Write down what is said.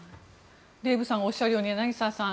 デーブさんがおっしゃるように、柳澤さん